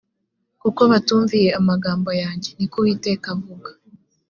kuko batumviye amagambo yanjye ni ko uwiteka avuga